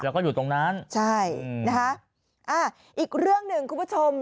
แล้วก็อยู่ตรงนั้นใช่นะคะอ่าอีกเรื่องหนึ่งคุณผู้ชม